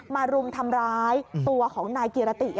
รุมทำร้ายตัวของนายกิรติ